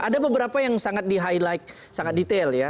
ada beberapa yang sangat di highlight sangat detail ya